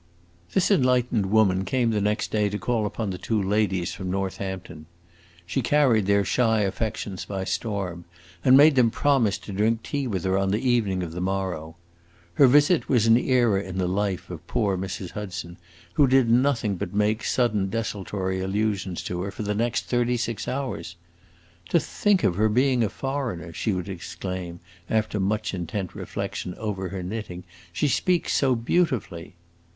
This enlightened woman came the next day to call upon the two ladies from Northampton. She carried their shy affections by storm, and made them promise to drink tea with her on the evening of the morrow. Her visit was an era in the life of poor Mrs. Hudson, who did nothing but make sudden desultory allusions to her, for the next thirty six hours. "To think of her being a foreigner!" she would exclaim, after much intent reflection, over her knitting; "she speaks so beautifully!"